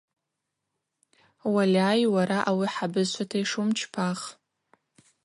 Уальай, уара ауи хӏыбызшвата йшуымчпах.